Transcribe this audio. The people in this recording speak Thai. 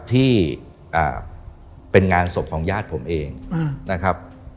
ที่เป็นงานศพของญาติผมเองนะครับ